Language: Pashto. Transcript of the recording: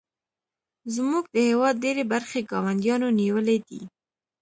زموږ د هیواد ډیرې برخې ګاونډیانو نیولې دي